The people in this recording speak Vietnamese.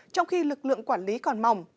trong khi lực lượng quản lý còn mỏng